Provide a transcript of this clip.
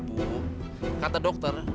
bu kata dokter